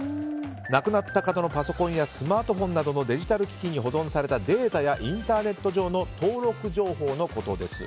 亡くなった方のパソコンやスマートフォンなどのデジタル機器に保存されたデータやインターネットサービスのアカウントなどの登録情報のことです。